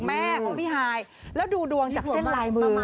แม่ของพี่ฮายแล้วดูดวงจากเส้นลายมือมา